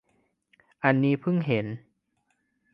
อันนี้เพิ่งเห็น